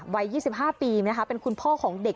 วัย๒๕ปีเป็นคุณพ่อของเด็ก